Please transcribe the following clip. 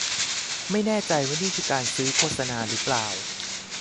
ไม่แน่ใจว่านี่คือการซื้อโฆษณาหรือเปล่า